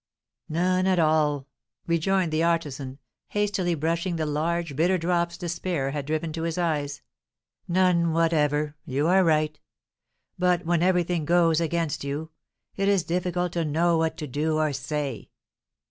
"None at all," rejoined the artisan, hastily brushing the large bitter drops despair had driven to his eyes; "none whatever, you are right; but when everything goes against you, it is difficult to know what to do or say."